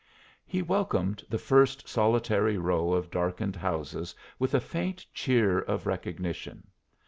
He welcomed the first solitary row of darkened houses with a faint cheer of recognition.